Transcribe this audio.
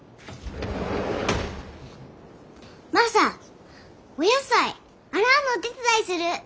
マサお野菜洗うのお手伝いする。